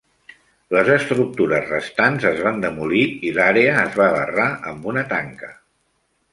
Les estructures restants es van demolir i l'àrea es va barrar amb una tanca.